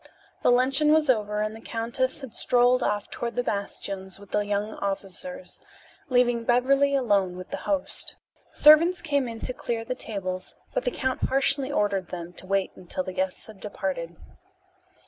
The luncheon was over and the countess had strolled off toward the bastions with the young officers, leaving Beverly alone with the host. Servants came in to clear the tables, but the count harshly ordered them to wait until the guests had departed.